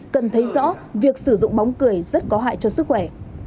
cần thấy rõ việc sử dụng bóng cười rất có hại cho sức khỏe